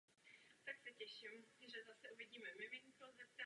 Tento článek se zabývá popisem těchto verzí a variant.